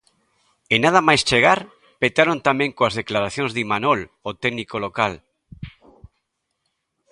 E nada máis chegar petaron tamén coas declaracións de Imanol, o técnico local.